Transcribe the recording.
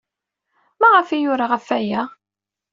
Maɣef ay yura ɣef waya?